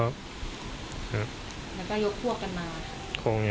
แล้วก็ยกพวกกันมา